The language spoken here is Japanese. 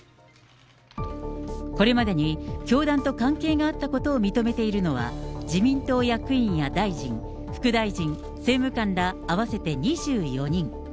これまでに教団と関係があったことを認めているのは、自民党役員や大臣、副大臣、政務官ら合わせて２４人。